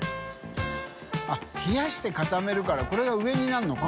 △冷やして固めるからこれが上になるのか。